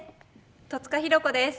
戸塚寛子です。